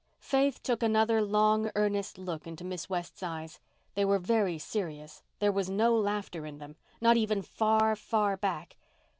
Faith took another long, earnest look into Miss West's eyes. They were very serious—there was no laughter in them, not even far, far back.